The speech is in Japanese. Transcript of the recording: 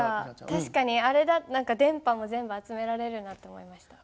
確かに電波も全部集められるなと思いました。